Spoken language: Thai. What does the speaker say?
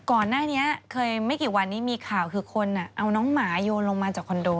ก่อนหน้านี้เคยไม่กี่วันนี้มีข่าวคือคนเอาน้องหมาโยนลงมาจากคอนโด